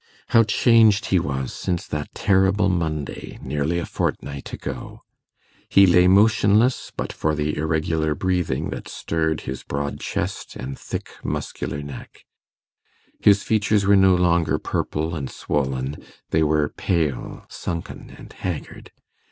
How changed he was since that terrible Monday, nearly a fortnight ago! He lay motionless, but for the irregular breathing that stirred his broad chest and thick muscular neck. His features were no longer purple and swollen; they were pale, sunken, and haggard.